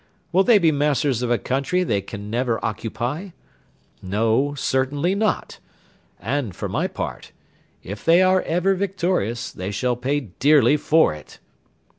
Will they be masters of a country they can never occupy? No, certainly not; and for my part, if they are ever victorious, they shall pay dearly for it."